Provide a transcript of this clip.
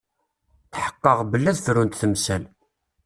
Tḥeqqeɣ belli ad frunt temsal.